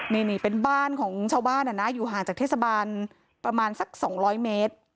นี่เป็นบ้านของชาวบ้านอยู่ห่างจากเทศบาลประมาณสัก๒๐๐เมตร